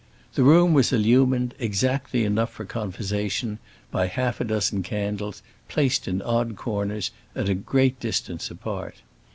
The room was illumined, exactly enough for conversation, by half a dozen candles, placed in odd corners, at a great distance apart.